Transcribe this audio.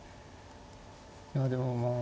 いやでもまあ。